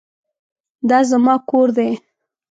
دا زما کور دی